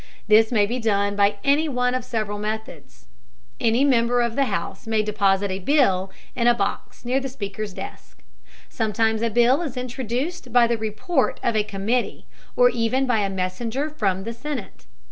This may be done by any one of several methods. Any member of the house may deposit a bill in a box near the speaker's desk. Sometimes a bill is introduced by the report of a committee, or even by a messenger from the senate.